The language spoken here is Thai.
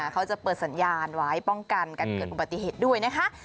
เขาจะเปิดสัญญาณไว้ป้องกันการเกิดอุบัติเหตุด้วยนะคะ